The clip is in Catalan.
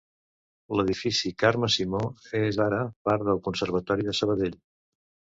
L'edifici Carme Simó és ara part del Conservatori de Sabadell.